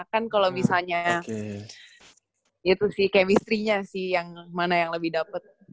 kan kalau misalnya itu sih chemistry nya sih yang mana yang lebih dapet